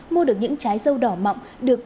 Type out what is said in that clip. mua được những trái sầu đỏ mọng được